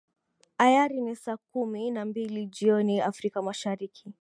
ayari ni saa kumi na mbili jioni afrika mashariki